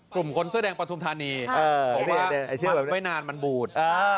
คนเสื้อแดงปฐุมธานีบอกว่าไม่นานมันบูด